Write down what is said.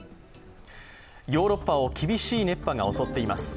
ヨーロッパを厳しい熱波が襲っています。